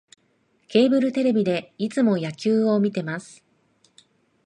ケーブルテレビでいつも野球を観てます